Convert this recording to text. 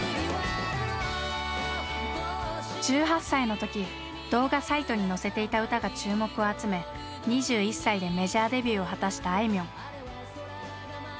１８歳の時動画サイトに乗せていた歌が注目を集め２１歳でメジャーデビューを果たしたあいみょん。